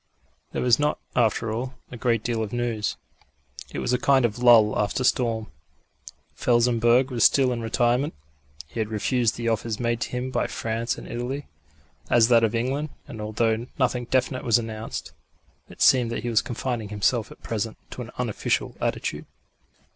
There was not, after all, a great deal of news. It was a kind of lull after storm. Felsenburgh was still in retirement; he had refused the offers made to him by France and Italy, as that of England; and, although nothing definite was announced, it seemed that he was confining himself at present to an unofficial attitude.